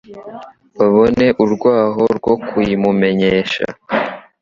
babone urwaho rwo kuyimumenyesha.